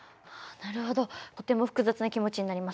なるほどとても複雑な気持ちになります。